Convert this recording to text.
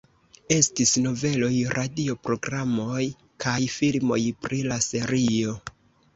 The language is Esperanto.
Estis noveloj, radio programoj kaj filmoj pri la serio.